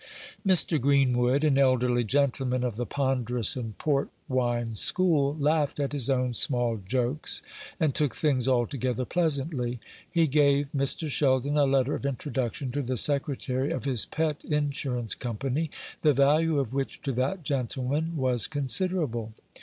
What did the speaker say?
Mr. Greenwood, an elderly gentleman of the ponderous and port wine school, laughed at his own small jokes, and took things altogether pleasantly. He gave Mr. Sheldon a letter of introduction to the secretary of his pet insurance company, the value of which to that gentleman was considerable.